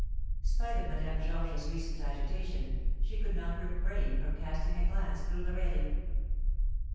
Spite of Madame Georges's recent agitation, she could not refrain from casting a glance through the railing.